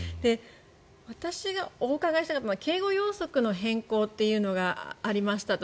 私がお伺いしたいのは警護要則の変更というのがありましたと。